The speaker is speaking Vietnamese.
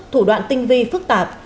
thủ đoạn tinh vi phức tạp